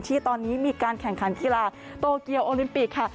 ที่ตอนนี้มีการแข่งขันกีฬาโตเกียวโอลิมปิกค่ะ